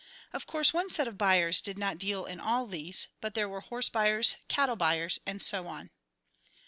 Of course, one set of buyers did not deal in all these, but there were horse buyers, cattle buyers and so on.